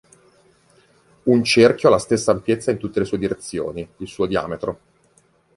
Un cerchio ha la stessa ampiezza in tutte le direzioni: il suo diametro.